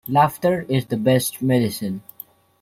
Laughter is the best medicine.